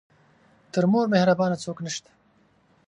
تر مور مهربانه څوک نه شته .